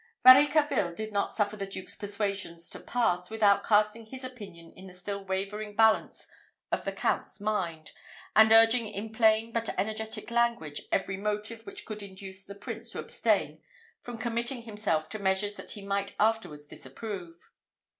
Varicarville did not suffer the Duke's persuasions to pass, without casting his opinion in the still wavering balance of the Count's mind, and urging in plain but energetic language every motive which could induce the Prince to abstain from committing himself to measures that he might afterwards disapprove.